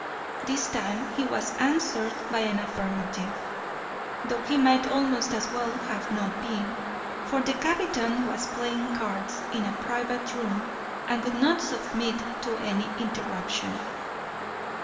This time he was answered by an affirmative, though he might almost as well have not been, for the captain was playing cards in a private room and would not submit to any interruption.